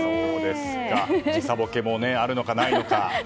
時差ボケもあるのか、ないのか。